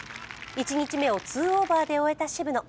１日目を２オーバーで終えた渋野。